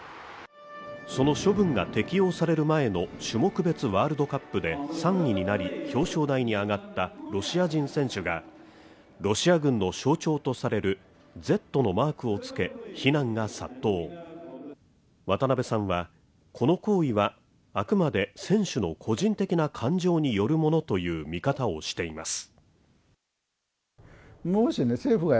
その処分が適用される前の種目別ワールドカップで３位になり表彰台に上がったロシア人選手がロシア軍の象徴とされるＺのマークをつけ非難が殺到渡辺さんはこの行為はあくまで選手の個人的な感情によるものという見方をしています